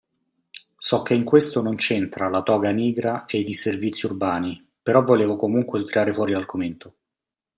So che in questo non c'entra la Toga Nigra e i disservizi urbani, però volevo comunque tirare fuori l'argomento.